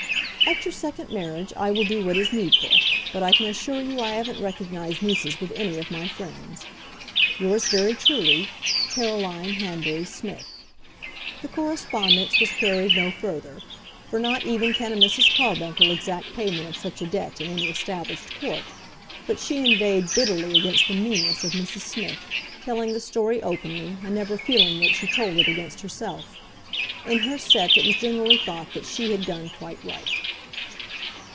"] At your second marriage I will do what is needful; but I can assure you I haven't recognised nieces with any of my friends. Yours very truly, CAROLINE HANBURY SMITH. The correspondence was carried no further, for not even can a Mrs. Carbuncle exact payment of such a debt in any established court; but she inveighed bitterly against the meanness of Mrs. Smith, telling the story openly, and never feeling that she told it against herself. In her set it was generally thought that she had done quite right.